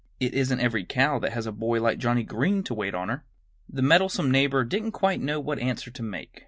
It isn't every cow that has a boy like Johnnie Green to wait on her." The meddlesome neighbor didn't quite know what answer to make.